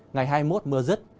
ngày hai mươi một mưa rứt